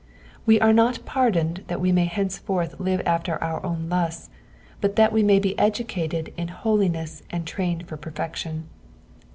We are not par dooed. that we may henceforth live after our own lusts, but that we may l>e educated in holiness and trained for perfection.